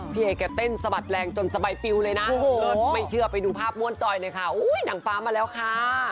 พี่เอแกเต้นสะบัดแรงจนสบายปิวเลยนะเลิศไม่เชื่อไปดูภาพม่วนจอยหน่อยค่ะอุ้ยหนังฟ้ามาแล้วค่ะ